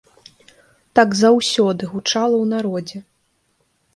Так заўсёды гучала ў народзе.